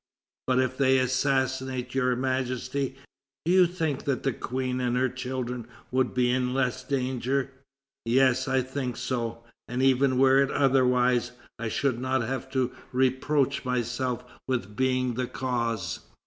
"But if they assassinate Your Majesty, do you think that the Queen and her children would be in less danger?" "Yes, I think so, and even were it otherwise, I should not have to reproach myself with being the cause."